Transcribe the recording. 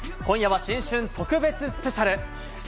今夜は新春特別スペシャル！